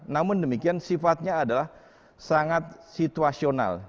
namun demikian sifatnya adalah sangat situasional